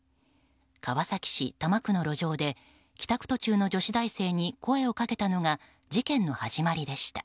川崎市多摩区の路上で帰宅途中の女子大生に声をかけたのが事件の始まりでした。